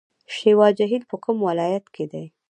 شیوا جهیل په کوم ولایت کې دی؟